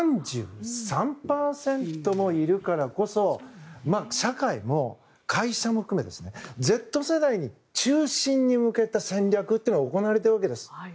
３３％もいるからこそ社会も会社も含めてＺ世代中心に向けた戦略が行われているわけです。